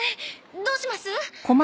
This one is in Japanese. どうします？